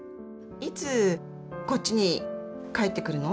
いつこっちに帰ってくるの？